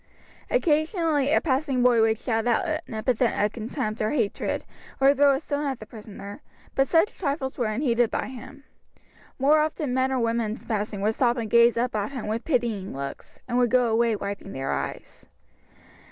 Occasionally a passing boy would shout out an epithet of contempt or hatred or throw a stone at the prisoner, but such trifles were unheeded by him. More often men or women passing would stop and gaze up at him with pitying looks, and would go away wiping their eyes.